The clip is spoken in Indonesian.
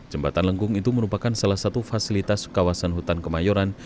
jembatan lengkung itu merupakan salah satu fasilitas kawasan hutan kemayoran